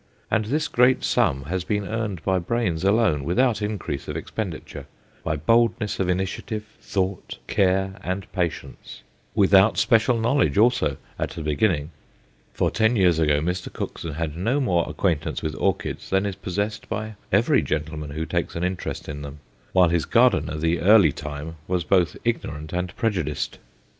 And this great sum has been earned by brains alone, without increase of expenditure, by boldness of initiative, thought, care, and patience; without special knowledge also, at the beginning, for ten years ago Mr. Cookson had no more acquaintance with orchids than is possessed by every gentleman who takes an interest in them, while his gardener the early time was both ignorant and prejudiced.